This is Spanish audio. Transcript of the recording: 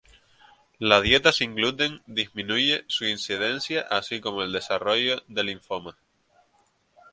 La dieta sin gluten disminuye su incidencia así como el desarrollo de linfomas.